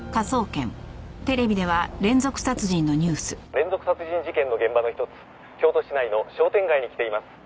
「連続殺人事件の現場の一つ京都市内の商店街に来ています」